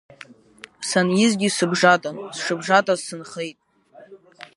Санизгьы сыбжатан, сшыбжатаз сынхеит.